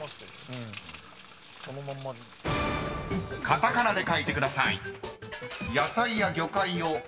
［カタカナで書いてください］